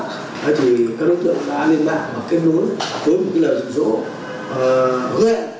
hôm nay thì các đối tượng đã lên mạng và kết nối với một lời dự dỗ hứa hẹn